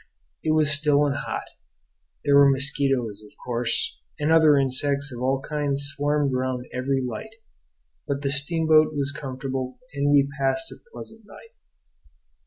It was still and hot. There were mosquitoes, of course, and other insects of all kinds swarmed round every light; but the steamboat was comfortable, and we passed a pleasant night.